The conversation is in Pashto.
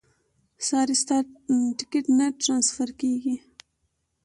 ساري ستا ټیکټ نه ټرانسفر کېږي.